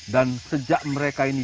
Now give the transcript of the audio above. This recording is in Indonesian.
dan sejak mereka ini